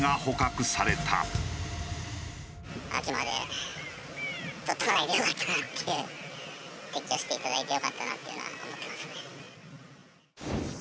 撤去していただいてよかったなっていうのは思ってますね。